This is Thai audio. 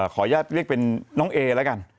ขออนุญาตเรียกเป็นน้องเอแล้วกัน